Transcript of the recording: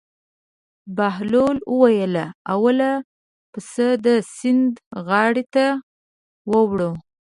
بهلول وویل: اول پسه د سیند غاړې ته وړو.